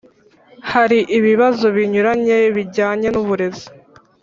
Hari ibibazo binyuranye bijyanye n’uburezi